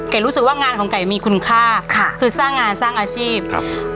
รู้สึกว่างานของไก่มีคุณค่าค่ะคือสร้างงานสร้างอาชีพครับ